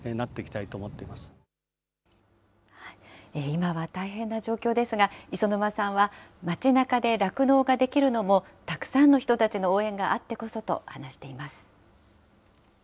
今は大変な状況ですが、磯沼さんは、街なかで酪農ができるのもたくさんの人たちの応援があってこそと話しています。